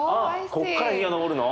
ここから日が昇るの？